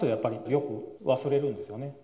よく忘れるんですよね。